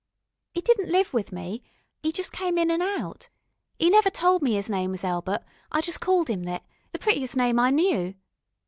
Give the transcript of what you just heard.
'E didn't live with me, 'e just came in an' out. 'E never tol' me 'is name was Elbert I just called 'im thet, the prettiest name I knew.